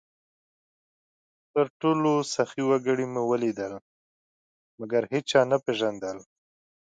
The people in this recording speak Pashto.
تر ټولو سخي وګړي مې ولیدل؛ مګر هېچا نه پېژندل،